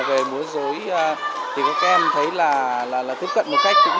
về múa dối thì các em thấy là tiếp cận một cách cũng có bài bản